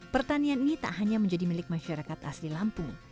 pertanian ini tak hanya menjadi milik masyarakat asli lampung